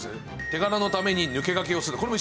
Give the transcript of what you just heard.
「手柄のために抜け駆けをするな」